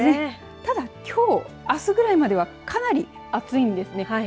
ただきょう、あすぐらいまではかなり暑いんですね。